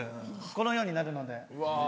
このようになるので。